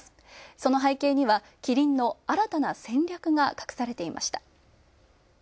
その背景にはキリンの新たな戦略が隠されていました。